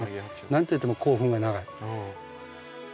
なんといっても口吻が長い。